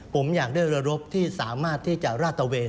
ผมอยากได้ระรบที่สามารถที่จะราดตะเวน